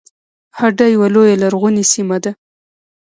هډه یوه لویه لرغونې سیمه ده